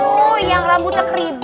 oh yang rambutnya kribuk